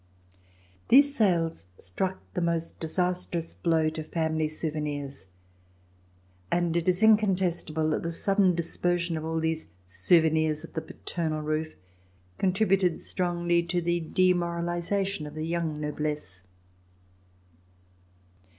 These sales struck the most disastrous blow to family souvenirs, and It Is in contestable that the sudden dispersion of all these souvenirs of the paternal roof contributed strongly to the demoralization of the young noblesse.